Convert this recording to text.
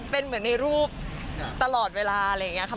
เป็นเหมือนในรูปตลอดเวลาอะไรอย่างนี้ค่ะ